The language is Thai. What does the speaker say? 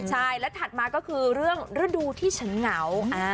ใช่และถัดมาก็คือเรื่องฤดูที่ฉันเหงา